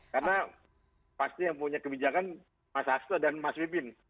karena pasti yang punya kebijakan mas hasto dan mas wipin